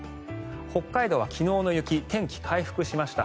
北海道は昨日の雪天気回復しました。